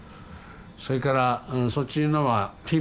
それからそっちのはティム。